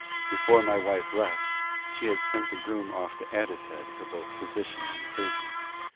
Before my wife left, she had sent the groom off to Addicehead for both physician and surgeon.